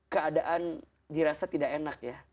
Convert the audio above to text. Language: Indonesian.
keadaan dirasa tidak enak